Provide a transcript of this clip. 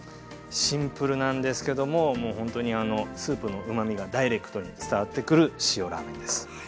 シンプルなんですけどもほんとにスープのうまみがダイレクトに伝わってくる塩ラーメンです。